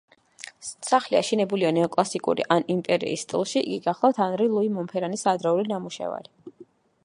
სახლი აშენებულია ნეოკლასიკურ ან იმპერიის სტილში, იგი გახლავთ ანრი ლუი მონფერანის ადრეული ნამუშევარი.